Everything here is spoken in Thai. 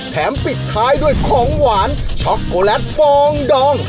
ปิดท้ายด้วยของหวานช็อกโกแลตฟองดอง